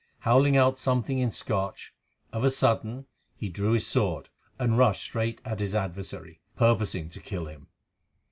Howling out something in Scotch, of a sudden he drew his sword and rushed straight at his adversary, purposing to kill him.